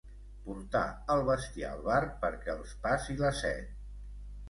Portar el bestiar al bar perquè els passi la set.